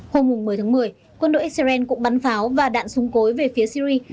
hôm một mươi tháng một mươi quân đội israel cũng bắn pháo và đạn súng cối về phía syri